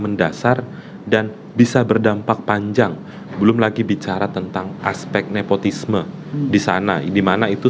mendasar dan bisa berdampak panjang belum lagi bicara tentang aspek nepotisme di sana dimana itu